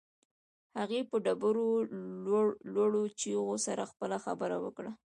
هغې په ډېرو لوړو چيغو سره خپله خبره وکړه.